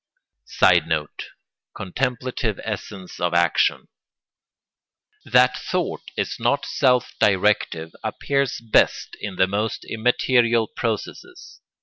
[Sidenote: Contemplative essence of action.] That thought is not self directive appears best in the most immaterial processes.